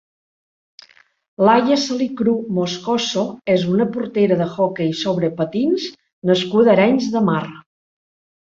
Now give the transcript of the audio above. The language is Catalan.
Laia Salicrú Moscoso és una portera d'hoquei sobre patins nascuda a Arenys de Mar.